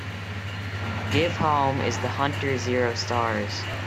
Give Home Is the Hunter zero stars